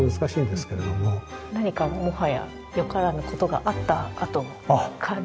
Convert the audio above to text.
何かもはやよからぬことがあったあとの感じ？